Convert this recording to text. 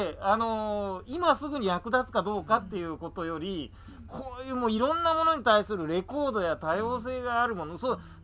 今すぐに役立つかどうかっていうことよりこういうもういろんなものに対するレコードや多様性があるもの。